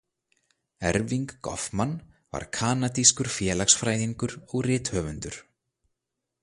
Erving Goffman var kanadískur félagsfræðingur og rithöfundur.